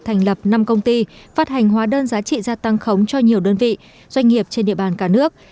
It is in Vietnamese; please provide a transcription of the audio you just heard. thành lập năm công ty phát hành hóa đơn giá trị gia tăng khống cho nhiều đơn vị doanh nghiệp trên địa bàn cả nước